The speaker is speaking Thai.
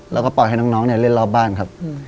แล้วก็ปล่อยให้น้องเนี่ยเล่นรอบบ้านครับ